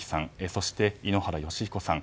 そして、井ノ原快彦さん